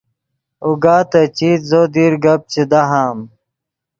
اوگا تے چیت زو دیر گپ چے دہام